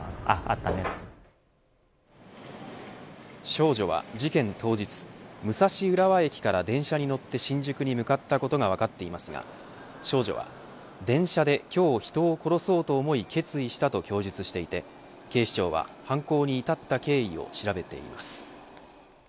少女は事件当日武蔵浦和駅から電車に乗って新宿に向かったことが分かっていますが少女は、電車で今日人を殺そうと思い決意したと供述していて警視庁は、犯行に至った経緯を調べています。